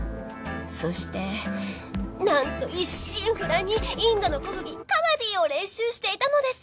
そしてなんと一心不乱にインドの国技カバディを練習していたのです！